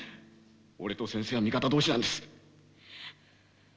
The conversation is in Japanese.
俺と先生は味方同士なんです！